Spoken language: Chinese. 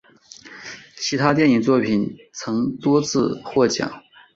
其电影作品曾多次获奖。